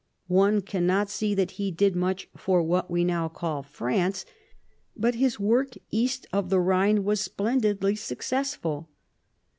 One cannot see that he did much for what we now call France, but his work east of the Rhine was splendidly successful.